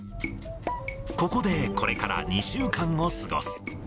ここでこれから２週間を過ごす。